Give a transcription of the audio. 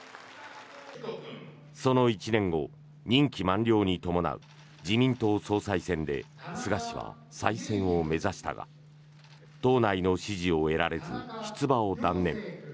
その１年後任期満了に伴う自民党総裁選で菅氏は再選を目指したが党内の支持を得られず出馬を断念。